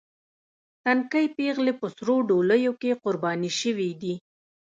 تنکۍ پېغلې په سرو ډولیو کې قرباني شوې دي.